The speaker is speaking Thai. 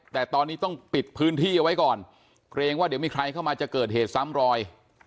แต่ตอนนี้ต้องปิดพื้นที่เอาไว้ก่อนเกรงว่าเดี๋ยวมีใครเข้ามาจะเกิดเหตุซ้ำรอย